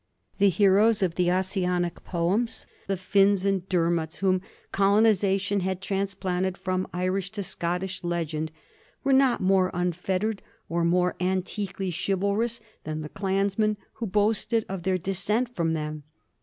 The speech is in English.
The heroes of the Ossianic poems — the Finns and Dermats whom colonization had transplanted from Irish to Scottish legend — were not more unfettered or more antiquely chivalrous than the clansmen who boasted of their descent from them.